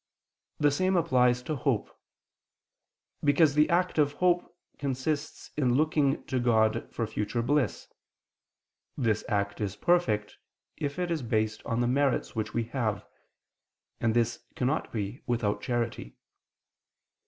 The same applies to hope. Because the act of hope consists in looking to God for future bliss. This act is perfect, if it is based on the merits which we have; and this cannot be without charity.